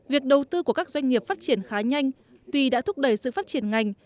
việc đầu tư của các doanh nghiệp phát triển khá nhanh tuy đã thúc đẩy sự phát triển ngành